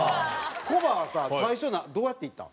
コバはさ最初どうやって行ったん？